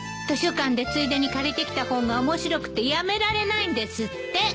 図書館でついでに借りてきた本が面白くてやめられないんですって。